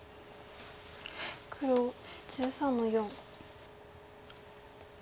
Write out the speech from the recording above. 黒１３の四。